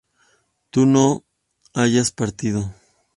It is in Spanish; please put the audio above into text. tú no hayas partido